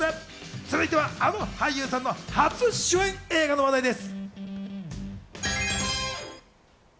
続いては、あの俳優さんの初主演映画の話題です。